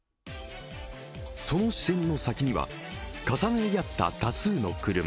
その視線の先には重なり合った多数の車。